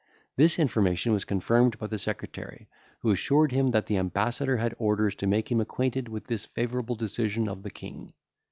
This information was confirmed by the secretary, who assured him that the ambassador had orders to make him acquainted with this favourable decision of the King.